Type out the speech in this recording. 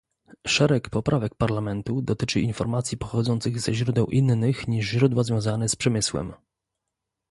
Szereg poprawek Parlamentu dotyczy informacji pochodzących ze źródeł innych niż źródła związane z przemysłem